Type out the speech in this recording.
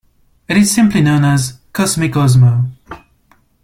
It is simply known as "Cosmic Osmo".